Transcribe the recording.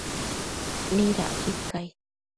¿midacquid cai ?